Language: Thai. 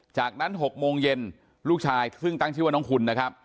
จากนั้น๖โมงเย็นลูกชายซึ่งตั้งชื่อว่าน้องคุณนะครับ